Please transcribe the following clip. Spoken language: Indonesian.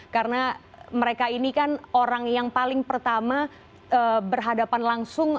karena mereka ini kan orang yang paling pertama berhadapan langsung